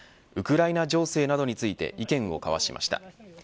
ウクライナ情勢などについて意見を交わしました。